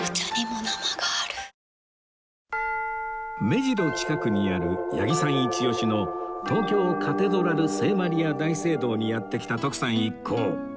目白近くにある八木さんイチオシの東京カテドラル聖マリア大聖堂にやって来た徳さん一行